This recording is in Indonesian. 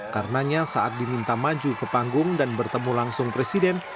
karenanya saat diminta maju ke panggung dan bertemu langsung presiden